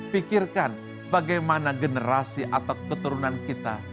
pikirkan bagaimana generasi atau keturunan kita